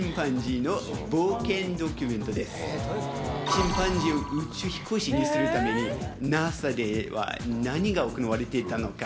チンパンジーを宇宙飛行士にするためにＮＡＳＡでは何が行われていたのか。